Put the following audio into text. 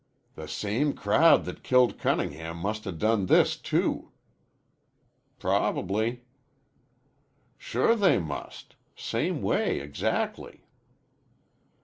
"The same crowd that killed Cunningham must 'a' done this, too." "Prob'ly." "Sure they must. Same way exactly."